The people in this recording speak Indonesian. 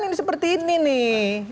ini seperti ini nih